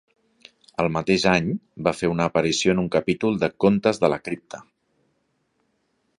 El mateix any, va fer una aparició en un capítol de "Contes de la Cripta".